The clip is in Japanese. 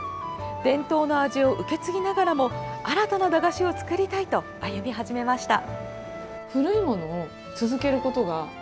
伝統の味を受け継ぎながらも新たな駄菓子を作りたいと歩み始めました。